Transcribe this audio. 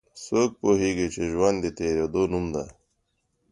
څوک پوهیږي چې ژوند د تیریدو نوم ده